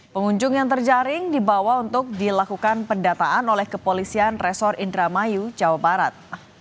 pengunjung yang terjaring dibawa untuk dilakukan pendataan oleh kepolisian resor indramayu jawa barat